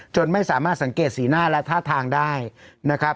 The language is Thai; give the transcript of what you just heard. ไม่สามารถสังเกตสีหน้าและท่าทางได้นะครับ